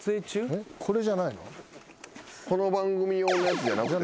この番組用のやつじゃなくて？